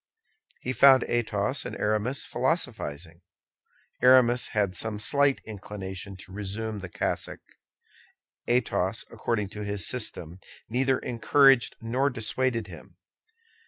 He found Athos and Aramis philosophizing. Aramis had some slight inclination to resume the cassock. Athos, according to his system, neither encouraged nor dissuaded him.